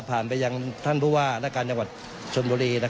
ไปยังท่านผู้ว่าและการจังหวัดชนบุรี